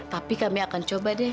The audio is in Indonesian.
tapi kami akan coba deh